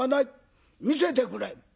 見せてくれ」。